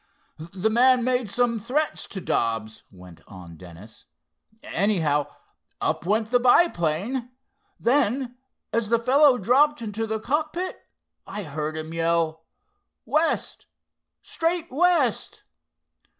"The man made some threat to Dobbs," went on Dennis. "Anyhow, up went the biplane. Then, as the fellow dropped into the cockpit, I heard him yell, 'West—straight west.